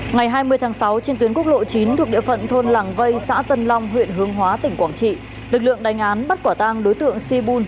ngày hai mươi tháng sáu trên tuyến quốc lộ chín thuộc địa phận thôn làng vây xã tân long huyện hướng hóa tỉnh quảng trị lực lượng đánh án bắt quả tang đối tượng si bun